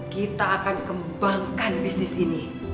kita akan kembangkan bisnis ini